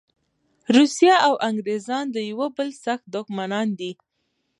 روسیه او انګریزان د یوه بل سخت دښمنان دي.